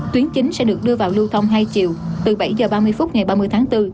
tuyến chính sẽ được đưa vào lưu thông hai chiều từ bảy h ba mươi phút ngày ba mươi tháng bốn